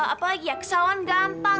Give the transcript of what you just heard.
apalagi ya kesawan gampang